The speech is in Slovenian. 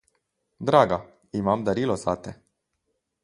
Draga, imam darilo zate.